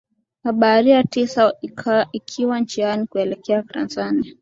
mabaharia tisa ikiwa njiani kuelekea tanzania